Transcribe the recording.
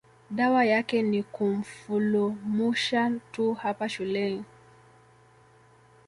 Dawa yake ni kumfulumusha tu hapa shuleni